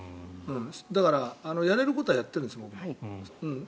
だからやれることはやってるんです。